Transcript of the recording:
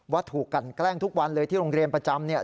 ถูกกันแกล้งทุกวันเลยที่โรงเรียนประจำเนี่ย